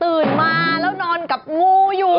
มาแล้วนอนกับงูอยู่